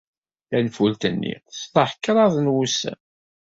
Tanfult-nni teṣleḥ kraḍ n wussan.